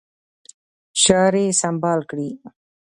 چاري سمبال کړي.